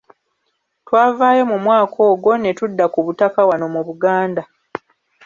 Twavaayo mu mwaka ogwo ne tudda ku butaka wano mu Buganda.